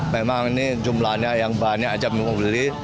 memang ini jumlahnya yang banyak aja membeli